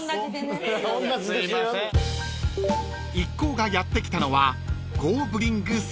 ［一行がやって来たのは］